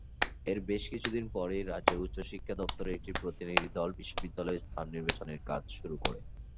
এর বেশ কিছুদিন পরেই রাজ্যের উচ্চশিক্ষা দপ্তরের একটি প্রতিনিধিদল বিশ্ববিদ্যালয়ে স্থান নির্বাচনের কাজ শুরু করে।